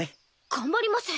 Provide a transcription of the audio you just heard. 頑張ります。